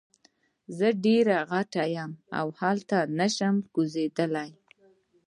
زه ډیر غټ یم او هلته نشم کوزیدلی.